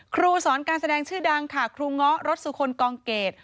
ครูสอนการแสดงชื่อดังค่ะครูเงาะรถสุคลกองเกรด